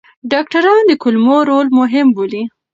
ډاکټران د کولمو رول مهم بولي.